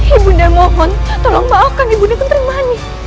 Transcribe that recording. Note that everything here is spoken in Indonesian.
ibunda mohon tolong maafkan ibunda keterima ini